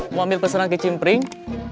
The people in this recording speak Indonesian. mau ambil peserang ke cimpring